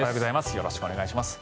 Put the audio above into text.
よろしくお願いします。